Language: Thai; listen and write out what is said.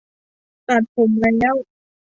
ตัดผมแล้ว